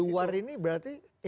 luar ini berarti